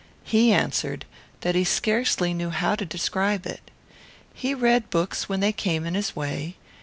He answered that he scarcely knew how to describe it. He read books when they came in his way.